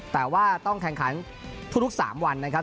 แต่ว่าต้องแข่งขันทุก๓วันนะครับ